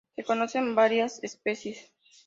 Se conocen varias especies.